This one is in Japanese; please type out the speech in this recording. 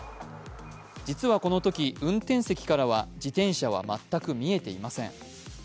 実はこのとき、運転席からは自転車は全く見えていません。